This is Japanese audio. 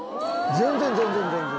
全然全然！